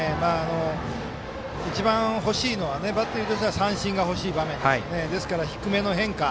一番、欲しいのはバッテリーとしては三振が欲しい場面ですので低めの変化。